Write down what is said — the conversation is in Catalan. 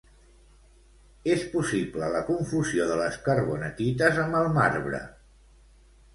És possible la confusió de les carbonatites amb el marbre.